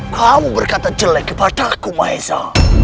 kamu berkata jelek kepada aku maesha